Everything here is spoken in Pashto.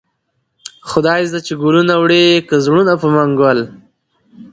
خداى زده چې گلونه وړې كه زړونه په منگل